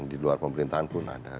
di luar pemerintahan pun ada